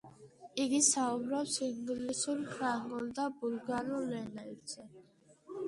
იგი საუბრობს ინგლისურ, ფრანგულ და ბულგარულ ენებზე.